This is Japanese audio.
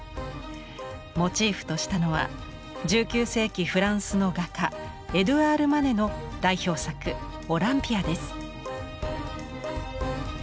モチーフとしたのは１９世紀フランスの画家エドゥアール・マネの代表作「オランピア」です。